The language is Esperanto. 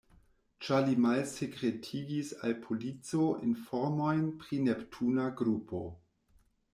Ĉar li malsekretigis al polico informojn pri Neptuna grupo.